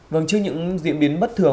gần trước những diễn biến bất thường